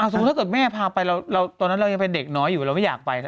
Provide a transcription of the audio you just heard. ถ้าเกิดแม่พาไปตอนนั้นเรายังเป็นเด็กน้อยอยู่เราไม่อยากไปนะ